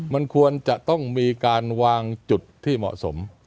มันควรจะต้องมีการวางจุดที่เหมาะสม